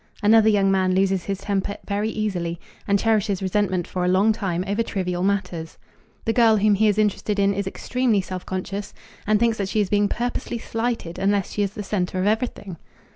Another young man loses his temper very easily and cherishes resentment for a long time over trivial matters. The girl whom he is interested in is extremely self conscious and thinks that she is being purposely slighted unless she is the center of everything.